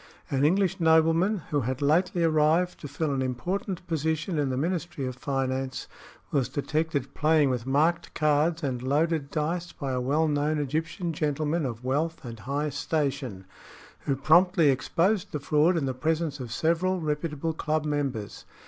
"An English nobleman who had lately arrived to fill an important position in the Ministry of Finance was detected playing with marked cards and loaded dice by a well known Egyptian gentleman of wealth and high station, who promptly exposed the fraud in the presence of several reputable club members.